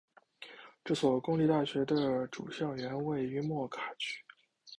这所公立大学的主校园位于莫卡区。